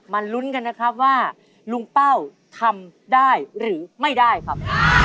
ลุ้นกันนะครับว่าลุงเป้าทำได้หรือไม่ได้ครับ